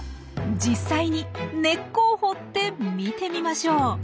実際に根っこを掘って見てみましょう。